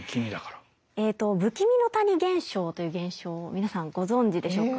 えっと不気味の谷現象という現象を皆さんご存じでしょうか？